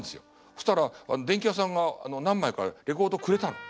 そしたら電器屋さんが何枚かレコードくれたの。